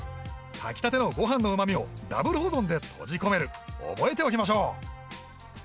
炊きたてのご飯の旨味をＷ保存で閉じ込める覚えておきましょう